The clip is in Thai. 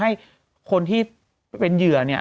ให้คนที่เป็นเหยื่อเนี่ย